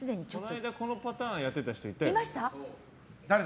この間、このパターンやってた人いましたよね。